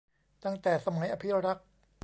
ตั้งแต่สมัยอภิรักษ์